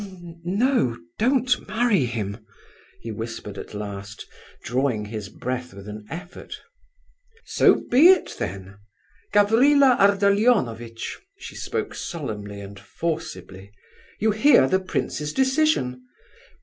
"N no! don't marry him!" he whispered at last, drawing his breath with an effort. "So be it, then. Gavrila Ardalionovitch," she spoke solemnly and forcibly, "you hear the prince's decision?